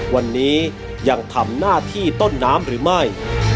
วันนี้ยังทำหน้าที่ต้นน้ำหรือไม่